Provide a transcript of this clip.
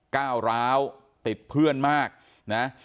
ก้าวร้าวติดเพื่อนมากนะ